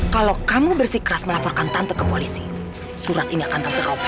kalau kamu bersikeras melaporkan tante ke polisi surat ini akan terteropis